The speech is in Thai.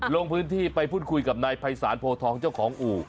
ลงพื้นที่ไปพูดคุยกับนายภัยศาลโพทองเจ้าของอู่